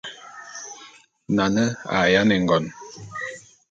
Nane a yáne ngon.